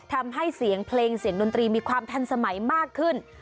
ทำให้เสียงเพลงเสียงดนตรีมีความทันสมัยมากขึ้น